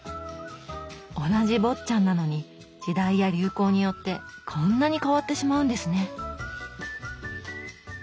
同じ坊っちゃんなのに時代や流行によってこんなに変わってしまうんですね。